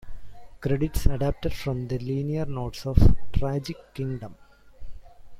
Credits adapted from the liner notes of "Tragic Kingdom".